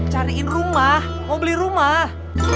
cariin rumah mau beli rumah